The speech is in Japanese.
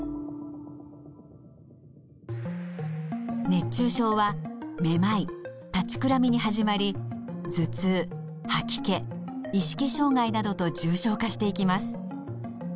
熱中症はめまい立ちくらみに始まり頭痛吐き気意識障害などと重症化していきます。